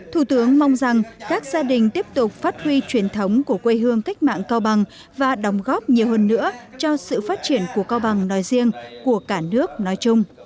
thủ tướng mong rằng các gia đình tiếp tục phát huy truyền thống của quê hương cách mạng cao bằng và đóng góp nhiều hơn nữa cho sự phát triển của cao bằng nói riêng của cả nước nói chung